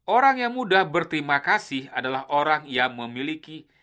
orang yang mudah berterima kasih adalah orang yang memiliki